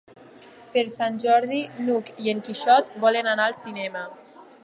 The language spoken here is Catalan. Per Sant Jordi n'Hug i en Quixot volen anar al cinema.